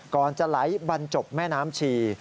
ก่อนจะไหลบรรจบแม่น้ำชี